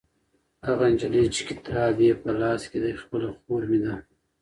هغه نجلۍ چې کتاب یې په لاس کې دی خپله خور مې ده.